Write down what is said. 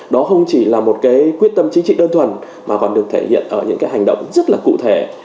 đó không chỉ là một cái quyết tâm chính trị đơn thuần mà còn được thể hiện ở những cái hành động rất là cụ thể